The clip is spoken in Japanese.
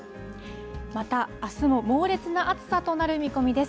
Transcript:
またあすも猛烈な暑さとなる見込みです。